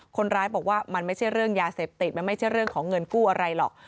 คนร้ายบอกว่ามันไม่ใช่เรื่องยาเสพติดมันไม่ใช่เรื่องของเงินกู้อะไรหรอก